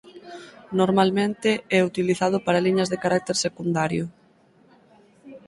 Normalmente é utilizado para liñas de carácter secundario.